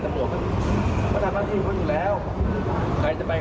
ก็ไปรักรัฐที่ด้วยวิธีการเดียวกันดีแหละใช่ไหมล่ะ